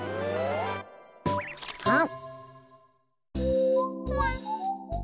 あん！